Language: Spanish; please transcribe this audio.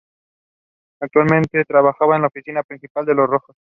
Actualmente trabaja en la oficina principal de los "Rojos".